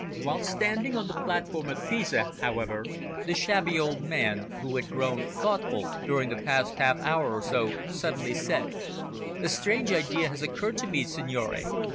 While standing on the platform at Pisa, however, the shabby old man, who had grown thoughtful during the past half hour or so, suddenly said "A strange idea has occurred to me, signore.